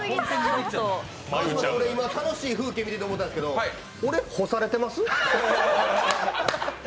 楽しい風景見てて思ったんですけど、俺、干されてます？